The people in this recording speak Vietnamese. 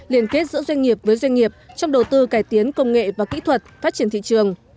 liên kết giữa doanh nghiệp với doanh nghiệp trong đầu tư cải tiến công nghệ và kỹ thuật phát triển thị trường